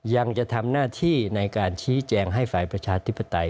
ยังจะทำหน้าที่ในการชี้แจงให้ฝ่ายประชาธิปไตย